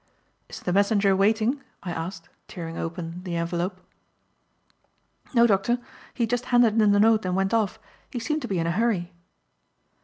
"Is the messenger waiting?" I asked, tearing open the envelope. "No, Doctor. He just handed in the note and went off. He seemed to be in a hurry."